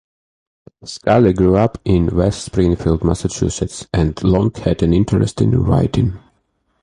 Scully grew up in West Springfield, Massachusetts and long had an interest in writing.